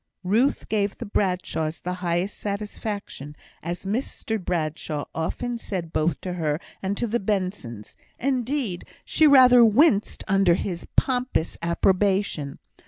Ruth gave the Bradshaws the highest satisfaction, as Mr Bradshaw often said both to her and to the Bensons; indeed, she rather winced under his pompous approbation.